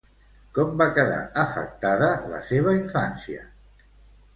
Com va quedar afectada la seva infància?